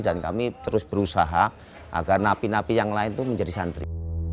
dan kami terus berusaha agar napi napi yang lain tuh menjadi santri